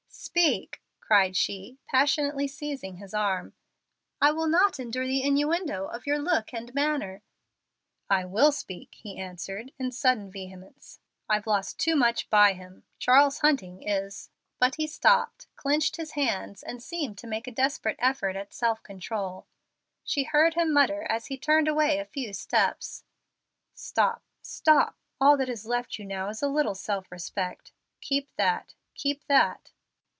"Speak," cried she, passionately seizing his arm. "I will not endure the innuendo of your look and manner." "I will speak," he answered, in sudden vehemence. "I've lost too much by him. Charles Hunting is " But he stopped, clinched his hands, and seemed to make a desperate effort at self control. She heard him mutter as he turned away a few steps, "Stop! stop! All that is left you now is a little self respect. Keep that keep that."